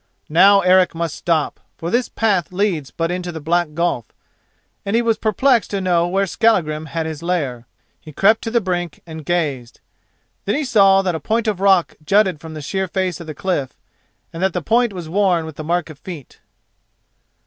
Now Eric must stop, for this path leads but into the black gulf. Also he was perplexed to know where Skallagrim had his lair. He crept to the brink and gazed. Then he saw that a point of rock jutted from the sheer face of the cliff and that the point was worn with the mark of feet.